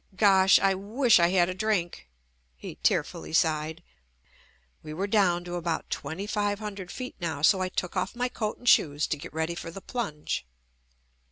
"Gosh, I wish I had a drink," he tear fully sighed. We were down to about twenty five hundred feet now, so I took off my coat and shoes to get ready for the plunge.